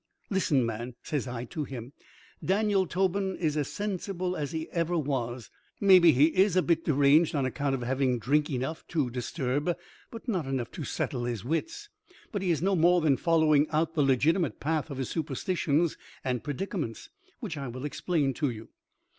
"Listen, man," says I to him. "Daniel Tobin is as sensible as he ever was. Maybe he is a bit deranged on account of having drink enough to disturb but not enough to settle his wits, but he is no more than following out the legitimate path of his superstitions and predicaments, which I will explain to you."